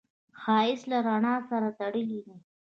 ښایست له رڼا سره تړلی دی